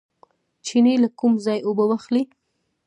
چینې له کوم ځای اوبه اخلي؟